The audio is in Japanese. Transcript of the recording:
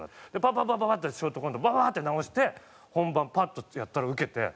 パパパパッてショートコントバーッて直して本番パッとやったらウケて。